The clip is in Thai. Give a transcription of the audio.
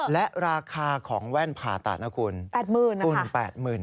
และราคาของแว่นผ่าตัดนะคุณ